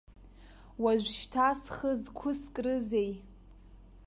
Уажәшьҭа схы зқәыскрызеи?